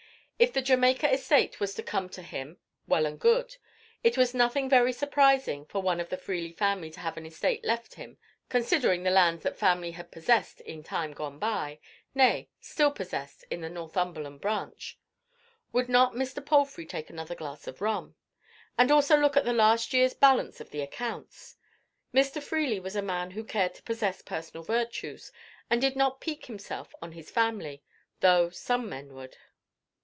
If the Jamaica estate was to come to him—well and good. It was nothing very surprising for one of the Freely family to have an estate left him, considering the lands that family had possessed in time gone by—nay, still possessed in the Northumberland branch. Would not Mr. Palfrey take another glass of rum? and also look at the last year's balance of the accounts? Mr. Freely was a man who cared to possess personal virtues, and did not pique himself on his family, though some men would.